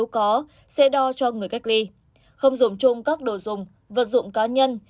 có xe đo cho người cách ly không dùng chung các đồ dùng vật dụng cá nhân